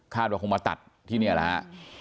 คาดว่าคงมาตัดที่เนี่ยละฮะ